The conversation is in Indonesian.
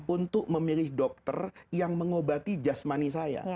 untuk memilih dokter yang mengobati jasmani saya